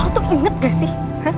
aku tuh inget gak sih